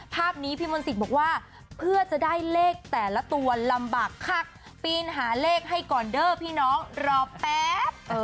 ภาพนี้พี่มนต์สิทธิ์บอกว่าเพื่อจะได้เลขแต่ละตัวลำบากคักปีนหาเลขให้ก่อนเด้อพี่น้องรอแป๊บ